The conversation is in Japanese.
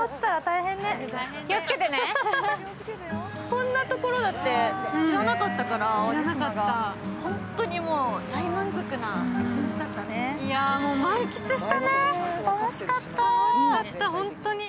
こんなところだって知らなかったから、ホントにもう大満足な旅だったね。